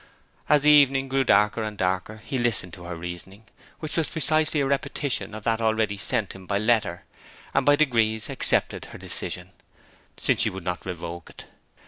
As the evening grew darker and darker he listened to her reasoning, which was precisely a repetition of that already sent him by letter, and by degrees accepted her decision, since she would not revoke it.